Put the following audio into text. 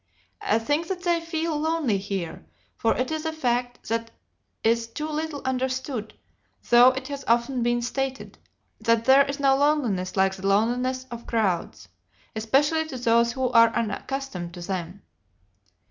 I think that they feel lonely here, for it is a fact that is too little understood, though it has often been stated, that there is no loneliness like the loneliness of crowds, especially to those who are unaccustomed to them.